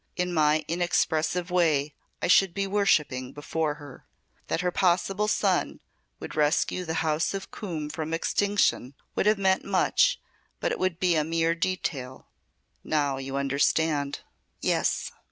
In my inexpressive way I should be worshipping before her. That her possible son would rescue the House of Coombe from extinction would have meant much, but it would be a mere detail. Now you understand." Yes.